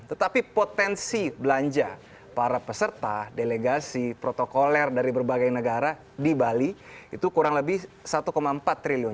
tetapi potensi belanja para peserta delegasi protokoler dari berbagai negara di bali itu kurang lebih rp satu empat triliun